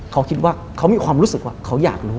เขาคิดว่าเขามีความรู้สึกว่าเขาอยากรู้